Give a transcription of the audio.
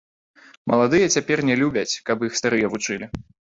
Маладыя цяпер не любяць, каб іх старыя вучылі.